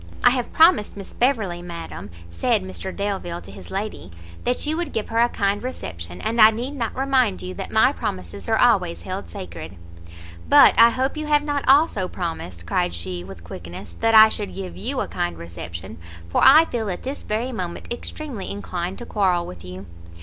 "I have promised Miss Beverley, madam," said Mr Delvile to his lady, "that you would give her a kind reception; and I need not remind you that my promises are always held sacred." "But I hope you have not also promised," cried she, with quickness, "that I should give you a kind reception, for I feel at this very moment extremely inclined to quarrel with you."